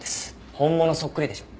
本物そっくりでしょ？